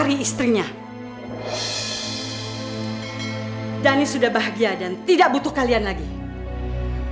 polisi untuk kembali menem queste paus di radio